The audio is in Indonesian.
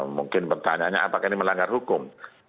mungkin pertanyaannya apakah ini melanggar hukum